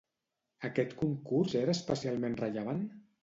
Aquest concurs era especialment rellevant?